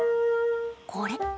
これ。